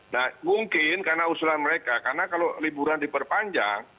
nah mungkin karena usulan mereka karena kalau liburan diperpanjang